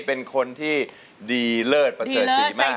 เป็นคนที่ดีเลิศประเศษสีมาก